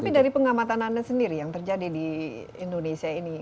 tapi dari pengamatan anda sendiri yang terjadi di indonesia ini